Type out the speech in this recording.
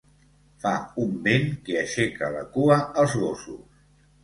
Fa un vent que aixeca la cua als gossos.